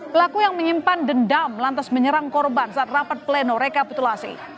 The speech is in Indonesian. pelaku yang menyimpan dendam lantas menyerang korban saat rapat pleno rekapitulasi